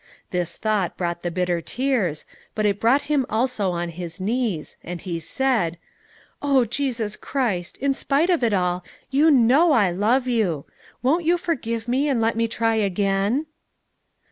This thought brought the bitter tears, but it brought him also on his knees; and he said, "Oh, Jesus Christ, in spite of it all, you know I love you. Won't you forgive me and let me try again?"